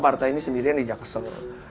partai ini sendirian di jakarta seluruh